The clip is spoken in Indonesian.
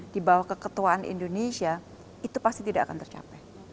di bawah keketuaan indonesia itu pasti tidak akan tercapai